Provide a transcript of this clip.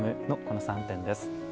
この３点です。